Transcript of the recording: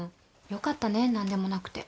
よかったね何でもなくて。